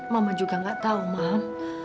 mama juga gak tahu mama